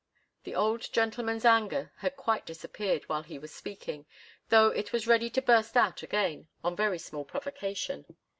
The old gentleman's anger had quite disappeared while he was speaking, though it was ready to burst out again on very small provocation.